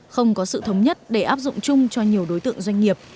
không có sự thống nhất để áp dụng chung cho nhiều đối tượng doanh nghiệp